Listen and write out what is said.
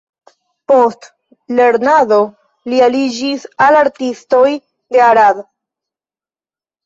Post lernado li aliĝis al artistoj de Arad.